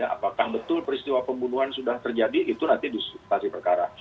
apakah betul peristiwa pembunuhan sudah terjadi itu nanti di substansi perkara